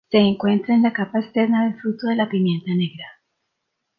Se encuentra en la capa externa del fruto de la pimienta negra.